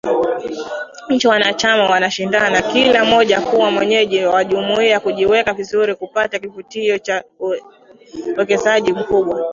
Nchi wanachama wanashindana kila mmoja kuwa mwenyeji wa jumuiya, wakijiweka vizuri kupata kivutio cha uwekezaji mkubwa.